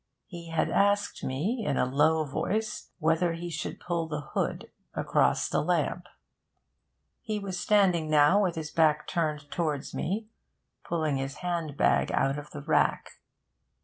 He had asked me in a low voice, whether he should pull the hood across the lamp. He was standing now with his back turned towards me, pulling his hand bag out of the rack.